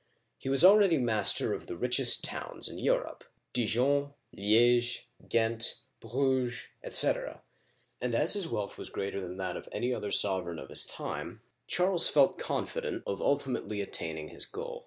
As he was already master of the richest towns in Europe (Dijon, Liege, Ghent, Bruges, etc.), and as his wealth was greater than that of any other sovereign of his time, Charles felt confident of ultimately attaining his goal.